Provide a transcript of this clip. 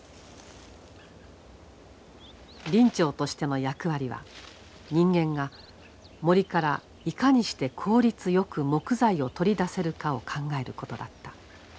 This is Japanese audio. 林長としての役割は人間が森からいかにして効率よく木材を取り出せるかを考えることだった。